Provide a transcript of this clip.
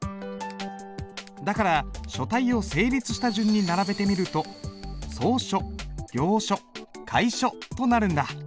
だから書体を成立した順に並べてみると草書行書楷書となるんだ。